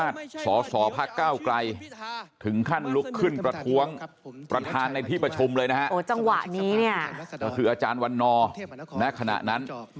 ก็คืออาจารย์วันนอร์ณขณะนั้น